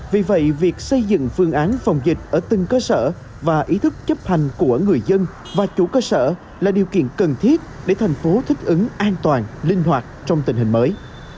vì vậy việc xây dựng phương án phòng dịch ở từng cơ sở và ý thức chấp hành của người dân và chủ cơ sở là điều kiện cần thiết để thành phố thích ứng an toàn linh hoạt trong tình hình mới